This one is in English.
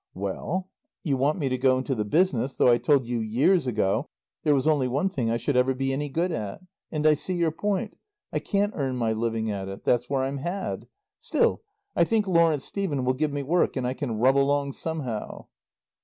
"Well you want me to go into the business, though I told you years ago there was only one thing I should ever be any good at. And I see your point. I can't earn my living at it. That's where I'm had. Still, I think Lawrence Stephen will give me work, and I can rub along somehow."